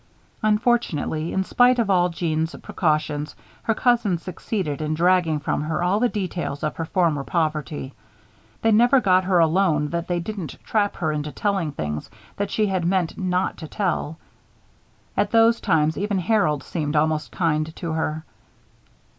Unfortunately, in spite of all Jeanne's precautions, her cousins succeeded in dragging from her all the details of her former poverty. They never got her alone that they didn't trap her into telling things that she had meant not to tell. At those times, even Harold seemed almost kind to her.